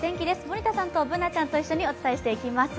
森田さんとＢｏｏｎａちゃんと一緒にお伝えしていきます。